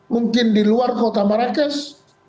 mungkin di luar kota marrakesh